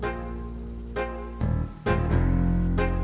aduh gila banget dimalukan